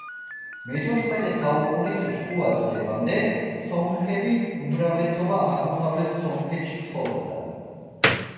მეთოთხმეტე საუკუნის შუა წლებამდე სომხები უმრავლესობა აღმოსავლეთ სომხეთში ცხოვრობდა.